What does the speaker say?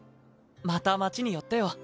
また町に寄ってよ。